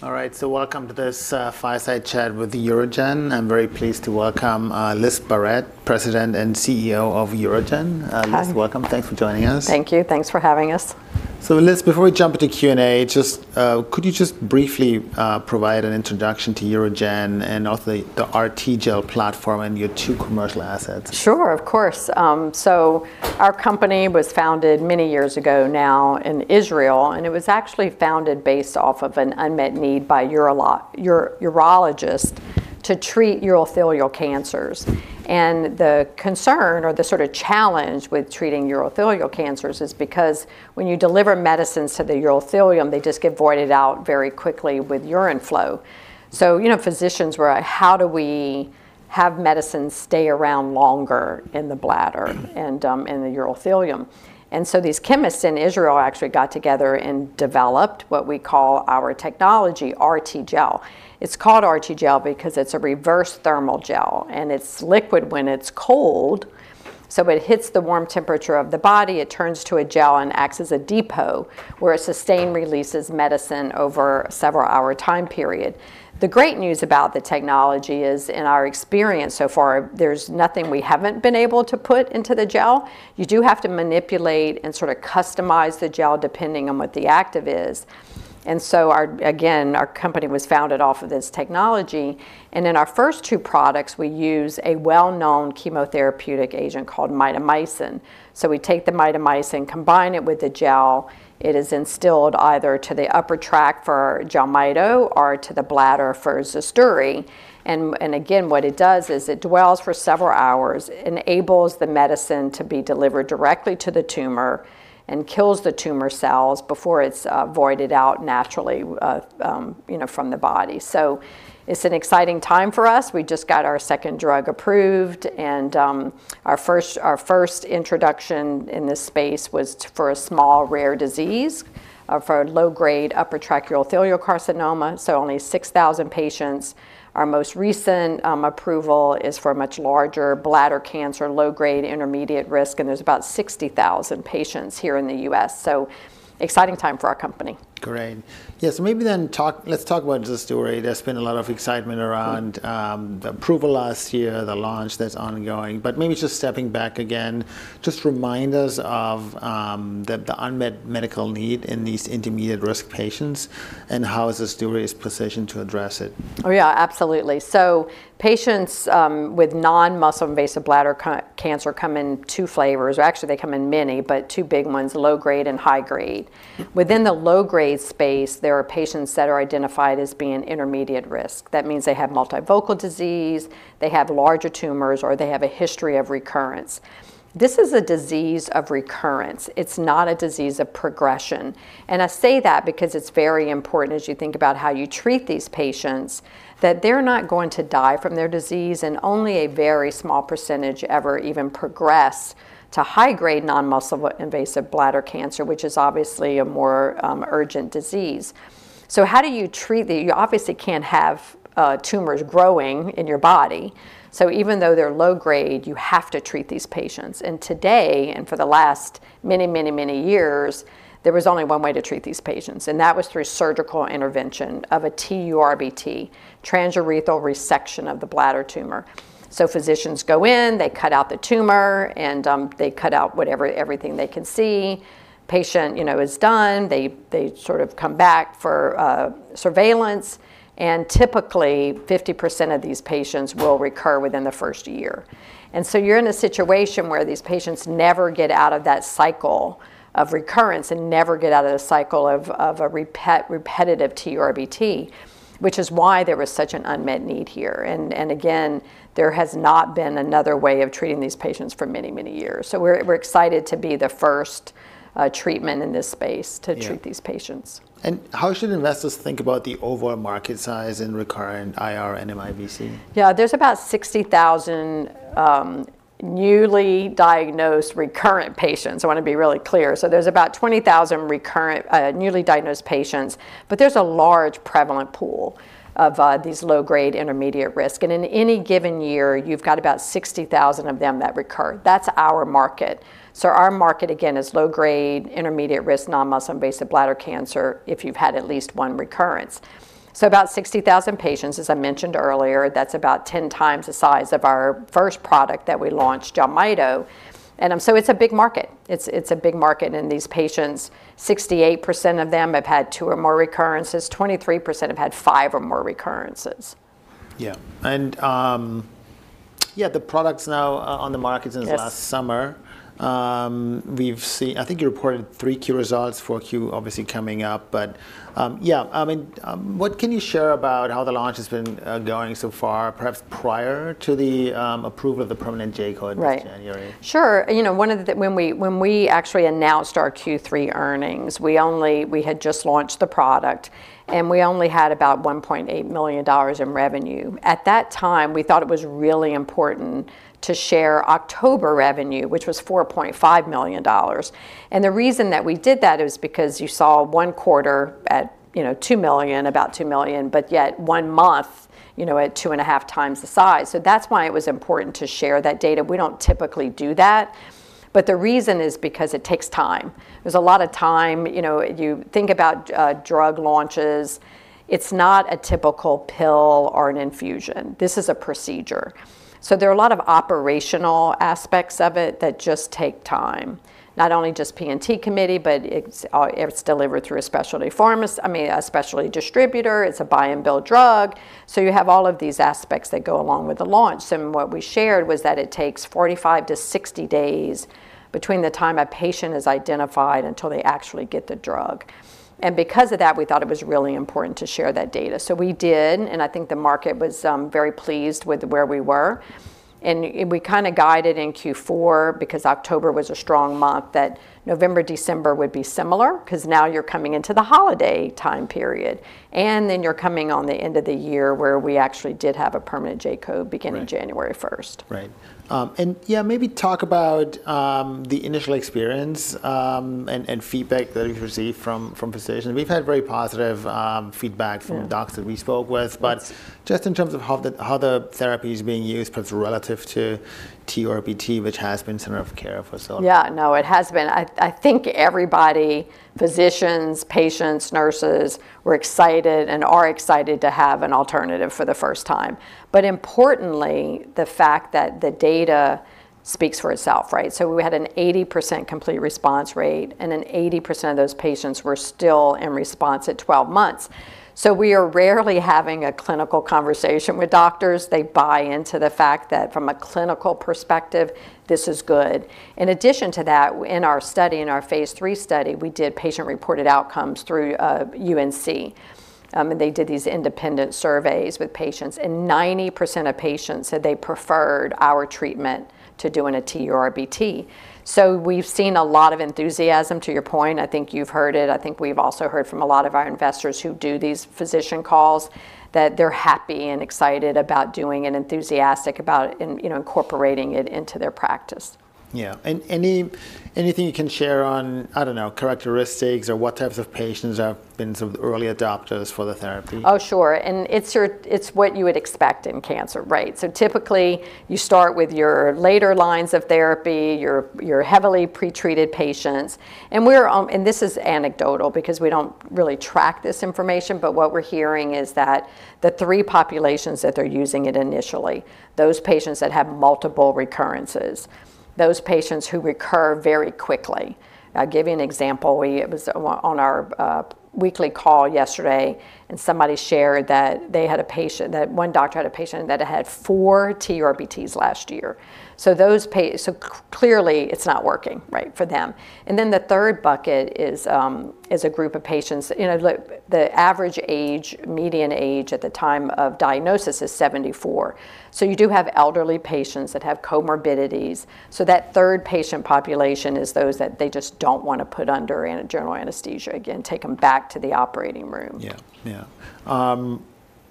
All right, so welcome to this fireside chat with UroGen. I'm very pleased to welcome Liz Barrett, President and CEO of UroGen. Hi. Elizabeth, welcome. Thanks for joining us. Thank you. Thanks for having us. So Liz, before we jump into Q&A, just could you just briefly provide an introduction to UroGen and also the RTGel platform and your two commercial assets? Sure, of course. Our company was founded many years ago now in Israel, and it was actually founded based off of an unmet need by urologists to treat urothelial cancers. The concern or the sort of challenge with treating urothelial cancers is because when you deliver medicines to the urothelium, they just get voided out very quickly with urine flow. So, you know, physicians were, like, "How do we have medicines stay around longer in the bladder, and, in the urothelium?" And so these chemists in Israel actually got together and developed what we call our technology, RTGel. It's called RTGel because it's a reverse thermal gel, and it's liquid when it's cold, so when it hits the warm temperature of the body, it turns to a gel and acts as a depot, where it sustained-releases medicine over a several-hour time period. The great news about the technology is, in our experience so far, there's nothing we haven't been able to put into the gel. You do have to manipulate and sort of customize the gel depending on what the active is. And so, again, our company was founded off of this technology, and in our first two products, we use a well-known chemotherapeutic agent called mitomycin. So we take the mitomycin, combine it with the gel. It is instilled either to the upper tract for JELMYTO or to the bladder for ZUSDURI. And again, what it does is it dwells for several hours, enables the medicine to be delivered directly to the tumor, and kills the tumor cells before it's voided out naturally, you know, from the body. So it's an exciting time for us. We just got our second drug approved, and our first introduction in this space was for a small, rare disease, for low-grade upper tract urothelial carcinoma, so only 6,000 patients. Our most recent approval is for a much larger bladder cancer, low-grade intermediate-risk, and there's about 60,000 patients here in the U.S., so exciting time for our company. Great. Yes, so maybe then let's talk about ZUSDURI. There's been a lot of excitement around the approval last year, the launch that's ongoing, but maybe just stepping back again, just remind us of the unmet medical need in these intermediate-risk patients and how ZUSDURI is positioned to address it. Yeah, absolutely. So patients with non-muscle-invasive bladder cancer come in two flavors, or actually, they come in many, but two big ones: low-grade and high-grade. Within the low-grade space, there are patients that are identified as being intermediate-risk. That means they have multifocal disease, they have larger tumors, or they have a history of recurrence. This is a disease of recurrence. It's not a disease of progression. And I say that because it's very important as you think about how you treat these patients, that they're not going to die from their disease, and only a very small percentage ever even progress to high-grade non-muscle invasive bladder cancer, which is obviously a more urgent disease. So how do you treat. You obviously can't have tumors growing in your body, so even though they're low-grade, you have to treat these patients. Today, and for the last many, many, many years, there was only one way to treat these patients, and that was through surgical intervention of a TURBT, transurethral resection of the bladder tumor. So physicians go in, they cut out the tumor, and they cut out whatever, everything they can see. Patient, you know, is done. They, they sort of come back for surveillance, and typically, 50% of these patients will recur within the first year. And so you're in a situation where these patients never get out of that cycle of recurrence and never get out of the cycle of a repetitive TURBT, which is why there was such an unmet need here. And again, there has not been another way of treating these patients for many, many years. We're excited to be the first treatment in this space. Yeah to treat these patients. How should investors think about the overall market size in recurrent IR and MIBC? Yeah, there's about 60,000 newly diagnosed recurrent patients. I wanna be really clear. So there's about 20,000 recurrent newly diagnosed patients, but there's a large prevalent pool of these low-grade intermediate-risk, and in any given year, you've got about 60,000 of them that recur. That's our market. So our market, again, is low-grade intermediate-risk non-muscle invasive bladder cancer if you've had at least one recurrence. So about 60,000 patients, as I mentioned earlier. That's about 10x the size of our first product that we launched, JELMYTO. And so it's a big market. It's a big market, and these patients, 68% of them have had two or more recurrences, 23% have had five or more recurrences. Yeah. Yeah, the product's now on the market Yes since last summer. We've seen, I think you reported 3Q results, 4Q obviously coming up. But, yeah, I mean, what can you share about how the launch has been going so far, perhaps prior to the approval of the permanent J-code? Right this January? Sure. You know, one of the, when we, when we actually announced our Q3 earnings, we only, we had just launched the product, and we only had about $1.8 million in revenue. At that time, we thought it was really important to share October revenue, which was $4.5 million, and the reason that we did that is because you saw one quarter at, you know, $2 million, about $2 million, but yet one month, you know, at 2.5x the size. So that's why it was important to share that data. We don't typically do that, but the reason is because it takes time. There's a lot of time, you know, you think about drug launches, it's not a typical pill or an infusion. This is a procedure. So there are a lot of operational aspects of it that just take time, not only just P&T committee, but it's delivered through a specialty pharmacy I mean, a specialty distributor. It's a buy and bill drug, so you have all of these aspects that go along with the launch. So what we shared was that it takes 45-60 days between the time a patient is identified until they actually get the drug, and because of that, we thought it was really important to share that data. So we did, and I think the market was very pleased with where we were. And we kind of guided in Q4, because October was a strong month, that November, December would be similar, 'cause now you're coming into the holiday time period, and then you're coming on the end of the year, where we actually did have a permanent J-code. Right beginning January 1st. Right. And yeah, maybe talk about the initial experience, and feedback that you've received from physicians. We've had very positive feedback. Yeah from docs that we spoke with. Yes. Just in terms of how the therapy is being used perhaps relative to TURBT, which has been standard of care for so Yeah. No, it has been. I, I think everybody, physicians, patients, nurses, were excited and are excited to have an alternative for the first time. But importantly, the fact that the data speaks for itself, right? So we had an 80% complete response rate, and then 80% of those patients were still in response at 12 months. So we are rarely having a clinical conversation with doctors. They buy into the fact that from a clinical perspective, this is good. In addition to that, in our study, in our phase III study, we did patient-reported outcomes through UNC, and they did these independent surveys with patients, and 90% of patients said they preferred our treatment to doing a TURBT. So we've seen a lot of enthusiasm. To your point, I think you've heard it. I think we've also heard from a lot of our investors who do these physician calls that they're happy and excited about doing and enthusiastic about, you know, incorporating it into their practice. Yeah. Anything you can share on, I don't know, characteristics or what types of patients have been sort of the early adopters for the therapy? Oh, sure. And it's what you would expect in cancer, right? So typically, you start with your later lines of therapy, your heavily pretreated patients, and we're. And this is anecdotal, because we don't really track this information, but what we're hearing is that the three populations that they're using it initially, those patients that have multiple recurrences, those patients who recur very quickly. I'll give you an example. It was on our weekly call yesterday, and somebody shared that they had a patient, that one doctor had a patient that had had four TURBTs last year. So those, clearly, it's not working, right, for them. And then the third bucket is a group of patients, you know, the average age, median age, at the time of diagnosis is 74. You do have elderly patients that have comorbidities. That third patient population is those that they just don't want to put under general anesthesia again, take them back to the operating room. Yeah. Yeah.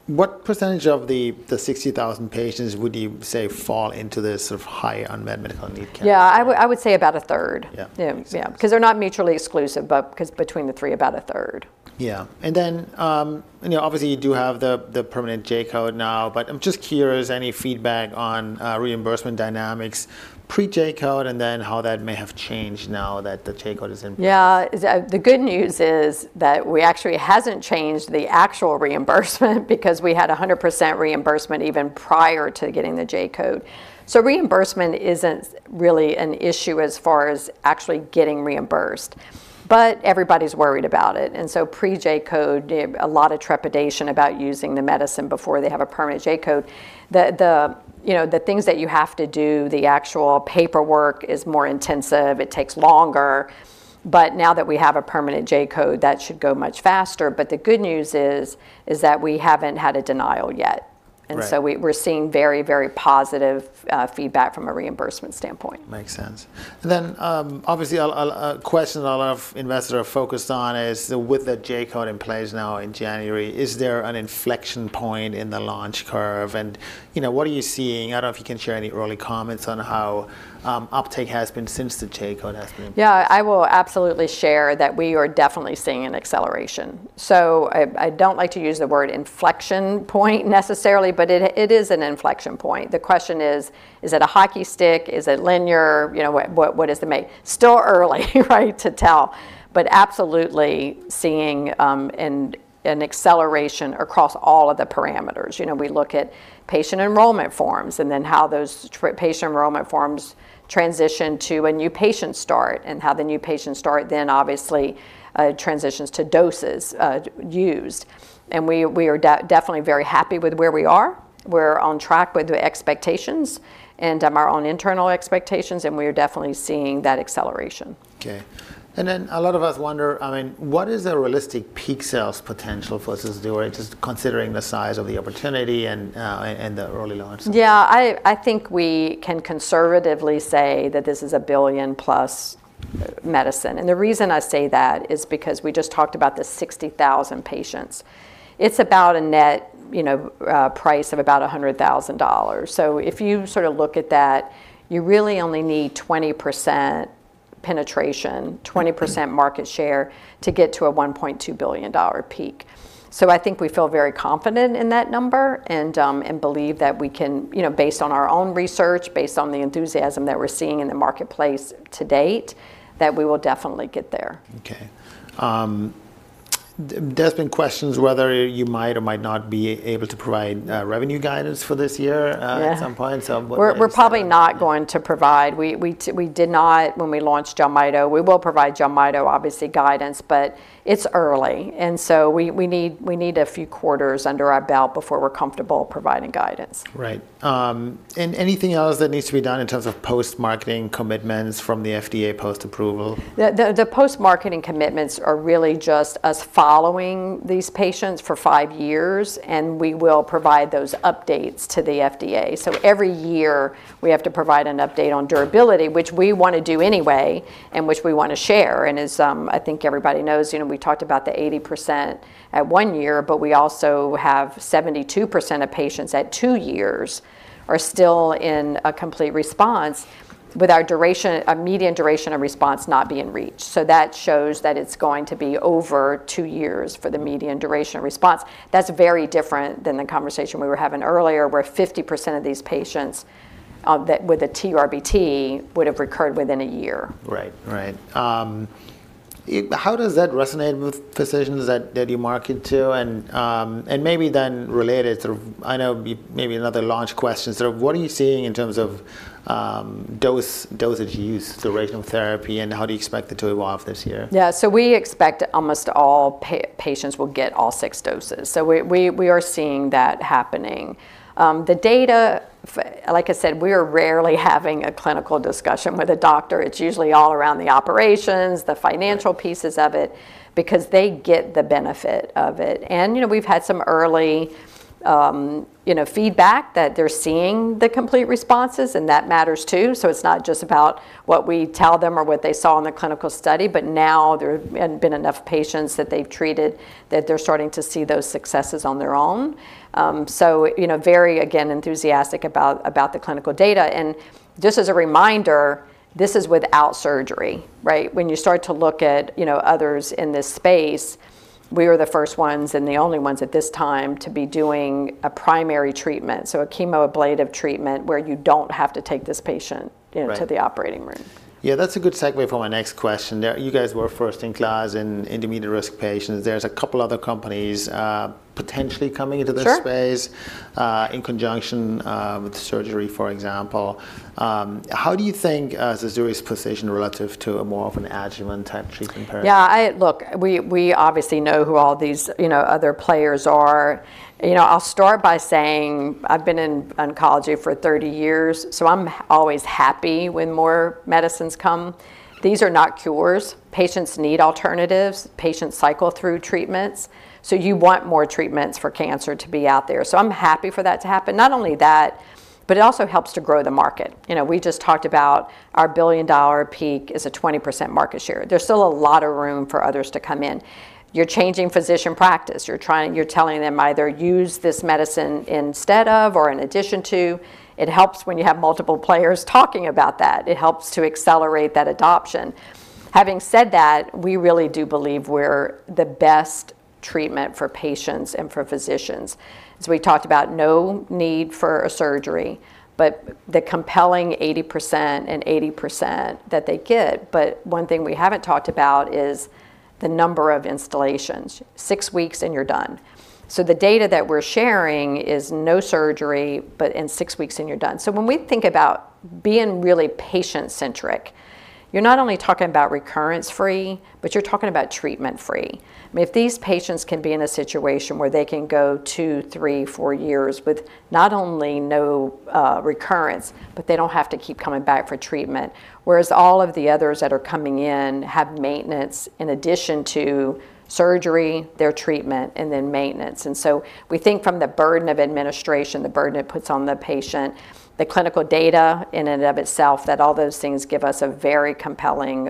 What percentage of the 60,000 patients would you say fall into this sort of high unmet medical need category? Yeah, I would, I would say about a third. Yeah. Yeah, yeah, because they're not mutually exclusive, but because between the three, about a third. Yeah. And then, you know, obviously, you do have the permanent J-code now, but I'm just curious, any feedback on reimbursement dynamics pre J-code, and then how that may have changed now that the J-code is in place? Yeah. The good news is that actually hasn't changed the actual reimbursement because we had 100% reimbursement even prior to getting the J-code. So reimbursement isn't really an issue as far as actually getting reimbursed, but everybody's worried about it, and so pre J-code, a lot of trepidation about using the medicine before they have a permanent J-code. You know, the things that you have to do, the actual paperwork is more intensive, it takes longer, but now that we have a permanent J-code, that should go much faster. But the good news is that we haven't had a denial yet. Right. We're seeing very, very positive feedback from a reimbursement standpoint. Makes sense. And then, obviously, a question a lot of investors are focused on is, with the J-code in place now in January, is there an inflection point in the launch curve? And, you know, what are you seeing? I don't know if you can share any early comments on how uptake has been since the J-code has been. Yeah, I will absolutely share that we are definitely seeing an acceleration. So I don't like to use the word inflection point necessarily, but it is an inflection point. The question is, is it a hockey stick? Is it linear? You know, what is the main, Still early, right, to tell, but absolutely seeing an acceleration across all of the parameters. You know, we look at patient enrollment forms and then how those patient enrollment forms transition to a new patient start, and how the new patient start then obviously transitions to doses used. And we are definitely very happy with where we are. We're on track with the expectations and our own internal expectations, and we are definitely seeing that acceleration. Okay. Then, a lot of us wonder, I mean, what is the realistic peak sales potential for Cysview, just considering the size of the opportunity and the early launch? Yeah, I think we can conservatively say that this is a billion-plus medicine, and the reason I say that is because we just talked about the 60,000 patients. It's about a net, you know, price of about $100,000. So if you sort of look at that, you really only need 20% penetration, 20% market share, to get to a $1.2 billion peak. So I think we feel very confident in that number, and believe that we can, you know, based on our own research, based on the enthusiasm that we're seeing in the marketplace to date, that we will definitely get there. Okay. There's been questions whether you might or might not be able to provide revenue guidance for this year. Yeah. at some point. So what is the, We're probably not going to provide, we did not when we launched JELMYTO. We will provide JELMYTO, obviously, guidance, but it's early, and so we need a few quarters under our belt before we're comfortable providing guidance. Right. And anything else that needs to be done in terms of post-marketing commitments from the FDA post-approval? The post-marketing commitments are really just us following these patients for five years, and we will provide those updates to the FDA. So every year, we have to provide an update on durability, which we want to do anyway, and which we want to share. And as I think everybody knows, you know, we talked about the 80% at one year, but we also have 72% of patients at two years are still in a complete response with our duration, a median duration of response not being reached. So that shows that it's going to be over two years for the median duration of response. That's very different than the conversation we were having earlier, where 50% of these patients that with a TURBT would have recurred within a year. Right. Right. How does that resonate with physicians that you market to? And, and maybe then related to, I know, maybe another launch question. So what are you seeing in terms of, dose, dosage use to rational therapy, and how do you expect it to evolve this year? Yeah. So we expect almost all patients will get all six doses. So we are seeing that happening. Like I said, we are rarely having a clinical discussion with a doctor. It's usually all around the operations, the financial pieces of it, because they get the benefit of it. And, you know, we've had some early, you know, feedback that they're seeing the complete responses, and that matters, too. So it's not just about what we tell them or what they saw in the clinical study, but now there have been enough patients that they've treated, that they're starting to see those successes on their own. So, you know, very, again, enthusiastic about the clinical data. And just as a reminder, this is without surgery, right? When you start to look at, you know, others in this space, we were the first ones and the only ones at this time to be doing a primary treatment. So a chemoablative treatment where you don't have to take this patient, Right into the operating room. Yeah, that's a good segue for my next question. There, you guys were first in class in intermediate-risk patients. There's a couple other companies, potentially coming into this space- Sure in conjunction with surgery, for example. How do you think ZUSDURI's position relative to a more of an adjuvant-type treatment paradigm? Yeah I, Look, we obviously know who all these, you know, other players are. You know, I'll start by saying I've been in oncology for 30 years, so I'm always happy when more medicines come. These are not cures. Patients need alternatives. Patients cycle through treatments, so you want more treatments for cancer to be out there. So I'm happy for that to happen. Not only that, but it also helps to grow the market. You know, we just talked about our billion-dollar peak is a 20% market share. There's still a lot of room for others to come in. You're changing physician practice. You're telling them, either use this medicine instead of or in addition to. It helps when you have multiple players talking about that. It helps to accelerate that adoption. Having said that, we really do believe we're the best treatment for patients and for physicians. So we talked about no need for a surgery, but the compelling 80% and 80% that they get. But one thing we haven't talked about is the number of installations. Six weeks, and you're done. So the data that we're sharing is no surgery, but in six weeks, and you're done. So when we think about being really patient-centric, you're not only talking about recurrence-free, but you're talking about treatment-free. If these patients can be in a situation where they can go two, three, four years with not only no recurrence, but they don't have to keep coming back for treatment, whereas all of the others that are coming in have maintenance in addition to surgery, their treatment, and then maintenance. So we think from the burden of administration, the burden it puts on the patient, the clinical data in and of itself, that all those things give us a very compelling,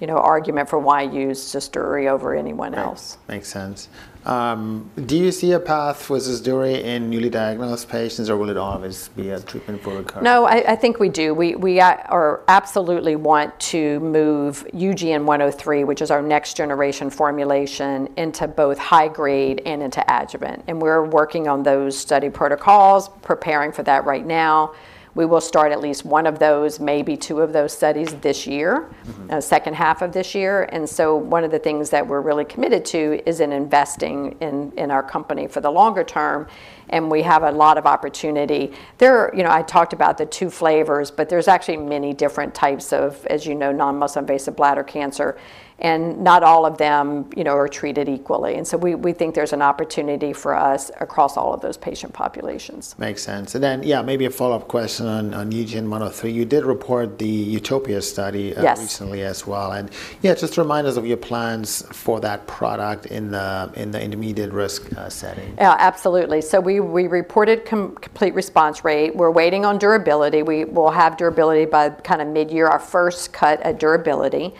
you know, argument for why use ZUSDURI over anyone else. Makes sense. Do you see a path for ZUSDURI in newly diagnosed patients, or will it always be a treatment for recurrence? No, I think we do. We absolutely want to move UGN-103, which is our next generation formulation, into both high-grade and into adjuvant. We're working on those study protocols, preparing for that right now. We will start at least one of those, maybe two of those studies this year, Mm-hmm second half of this year. And so one of the things that we're really committed to is investing in our company for the longer term, and we have a lot of opportunity. There are, you know, I talked about the two flavors, but there's actually many different types of, as you know, non-muscle invasive bladder cancer, and not all of them, you know, are treated equally. And so we think there's an opportunity for us across all of those patient populations. Makes sense. And then, yeah, maybe a follow-up question on, on UGN-103. You did report the UTOPIA study, Yes recently as well. And yeah, just remind us of your plans for that product in the intermediate risk setting. Yeah, absolutely. So we reported complete response rate. We're waiting on durability. We will have durability by kind of mid-year, our first cut at durability.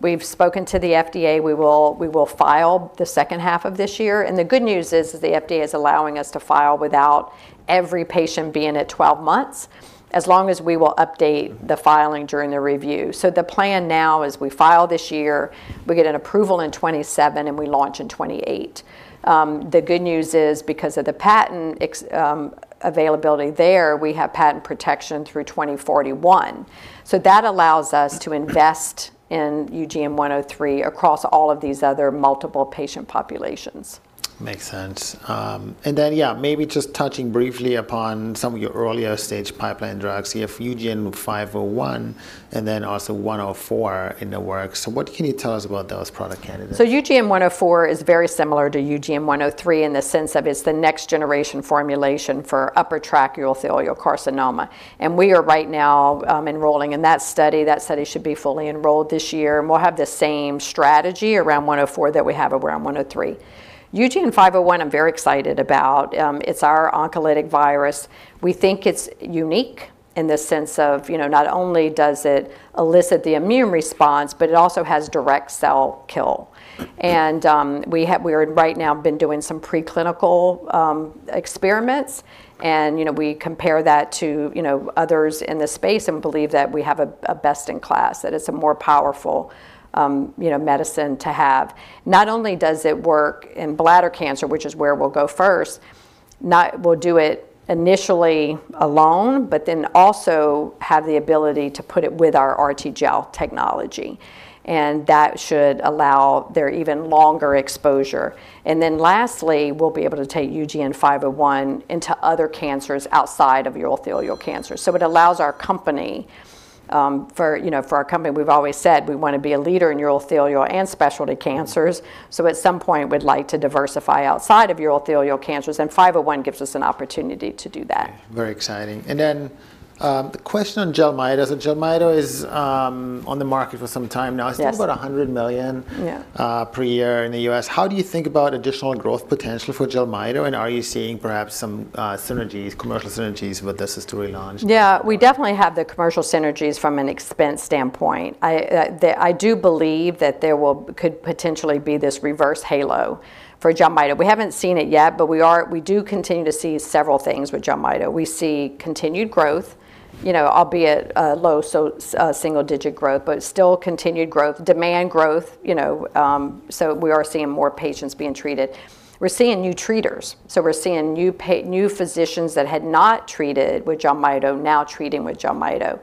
We've spoken to the FDA. We will file the second half of this year, and the good news is that the FDA is allowing us to file without every patient being at 12 months, as long as we will update the filing during the review. So the plan now is we file this year, we get an approval in 2027, and we launch in 2028. The good news is, because of the patent availability there, we have patent protection through 2041. So that allows us to invest in UGN-103 across all of these other multiple patient populations. Makes sense. And then, yeah, maybe just touching briefly upon some of your earlier stage pipeline drugs. You have UGN-501, and then also UGN-104 in the works. So what can you tell us about those product candidates? So UGN-104 is very similar to UGN-103 in the sense of it's the next generation formulation for upper tract urothelial carcinoma, and we are right now enrolling in that study. That study should be fully enrolled this year, and we'll have the same strategy around 104 that we have around 103. UGN-501, I'm very excited about. It's our oncolytic virus. We think it's unique in the sense of, you know, not only does it elicit the immune response, but it also has direct cell kill. And we're right now been doing some preclinical experiments, and, you know, we compare that to, you know, others in the space and believe that we have a best-in-class, that it's a more powerful, you know, medicine to have. Not only does it work in bladder cancer, which is where we'll go first, not We'll do it initially alone, but then also have the ability to put it with our RTGel technology, and that should allow their even longer exposure. And then lastly, we'll be able to take UGN-501 into other cancers outside of urothelial cancers. So it allows our company, you know, for our company, we've always said we want to be a leader in urothelial and specialty cancers. So at some point, we'd like to diversify outside of urothelial cancers, and 501 gives us an opportunity to do that. Very exciting. And then, the question on JELMYTO. So JELMYTO is on the market for some time now. Yes. I think about $100 million Yeah per year in the U.S. How do you think about additional growth potential for JELMYTO, and are you seeing perhaps some, synergies, commercial synergies with the ZUSDURI launch? Yeah, we definitely have the commercial synergies from an expense standpoint. I do believe that there could potentially be this reverse halo for JELMYTO. We haven't seen it yet, but we do continue to see several things with JELMYTO. We see continued growth, you know, albeit low, so single-digit growth, but still continued growth, demand growth, you know, so we are seeing more patients being treated. We're seeing new treaters. So we're seeing new physicians that had not treated with JELMYTO now treating with JELMYTO.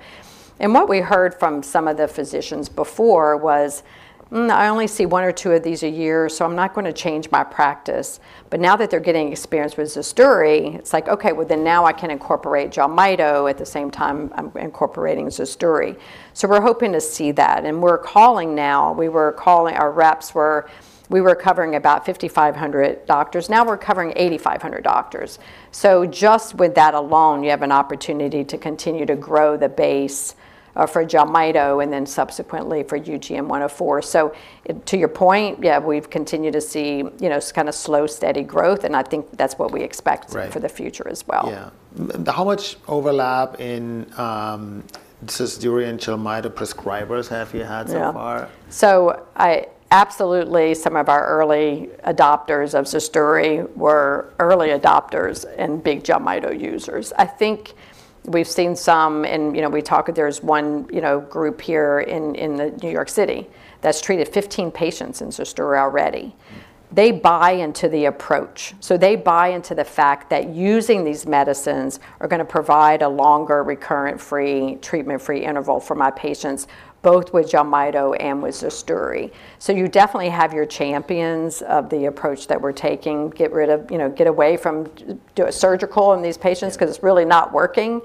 And what we heard from some of the physicians before was, "I only see one or two of these a year, so I'm not gonna change my practice." But now that they're getting experience with ZUSDURI, it's like, okay, well, then now I can incorporate JELMYTO at the same time I'm incorporating ZUSDURI. So we're hoping to see that, and we're calling now. We were calling. Our reps were covering about 5,500 doctors. Now we're covering 8,500 doctors. So just with that alone, you have an opportunity to continue to grow the base for JELMYTO, and then subsequently for UGN-104. So to your point, yeah, we've continued to see, you know, just kind of slow, steady growth, and I think that's what we expect, Right for the future as well. Yeah. How much overlap in ZUSDURI and JELMYTO prescribers have you had so far? Yeah. So I absolutely some of our early adopters of ZUSDURI were early adopters and big JELMYTO users. I think we've seen some, and, you know, we talk there's one, you know, group here in, in the New York City, that's treated 15 patients in ZUSDURI already. They buy into the approach. So they buy into the fact that using these medicines are gonna provide a longer, recurrent-free, treatment-free interval for my patients, both with JELMYTO and with ZUSDURI. So you definitely have your champions of the approach that we're taking. Get rid of, you know, get away from surgical in these patients, 'cause it's really not working,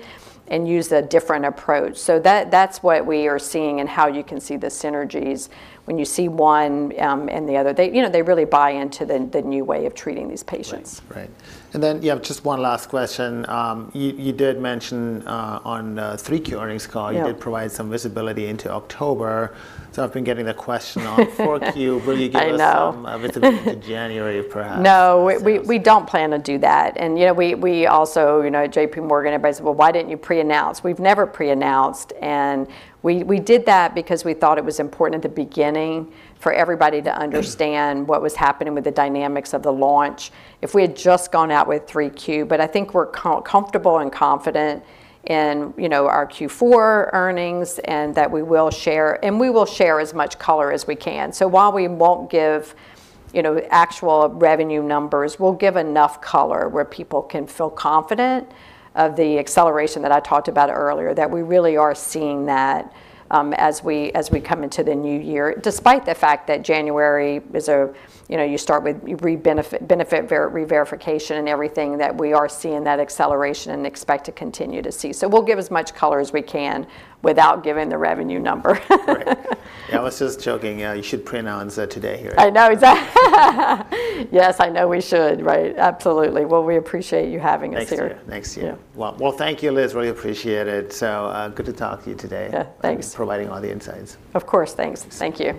and use a different approach. So that's what we are seeing and how you can see the synergies when you see one and the other. They, you know, they really buy into the new way of treating these patients. Right, right. And then, yeah, just one last question. You did mention on 3Q earnings call. Yeah you did provide some visibility into October, so I've been getting the question on 4Q. I know. Will you give us some visibility to January, perhaps? No, we don't plan to do that. And, you know, we also, you know, JPMorgan, everybody said, "Well, why didn't you pre-announce?" We've never pre-announced, and we did that because we thought it was important at the beginning for everybody to understand what was happening with the dynamics of the launch if we had just gone out with 3Q. But I think we're comfortable and confident in, you know, our Q4 earnings and that we will share, and we will share as much color as we can. So while we won't give, you know, actual revenue numbers, we'll give enough color where people can feel confident of the acceleration that I talked about earlier, that we really are seeing that, as we come into the new year, despite the fact that January is a, You know, you start with rebate benefit verification and everything, that we are seeing that acceleration and expect to continue to see. So we'll give as much color as we can without giving the revenue number. Right. I was just joking, yeah, you should pre-announce that today here. I know exactly. Yes, I know we should, right? Absolutely. Well, we appreciate you having us here. Thank you. Thank you. Yeah. Well, well, thank you, Liz. Really appreciate it. So, good to talk to you today. Yeah, thanks. Thanks for providing all the insights. Of course. Thanks. Thank you.